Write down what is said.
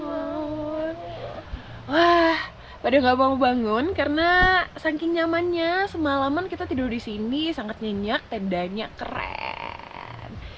wah pada nggak mau bangun karena saking nyamannya semalaman kita tidur di sini sangat nyenyak tendanya keren